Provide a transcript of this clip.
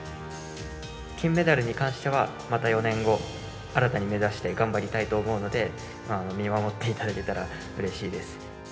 金メダルに関しては、また４年後、新たに目指して頑張りたいと思うので、見守っていただけたらうれしいです。